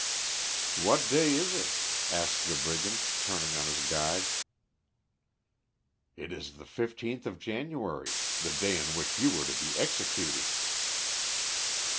"What day is it?" asked the brigand, turning on his guide. "It is the fifteenth of January, the day on which you were to be executed."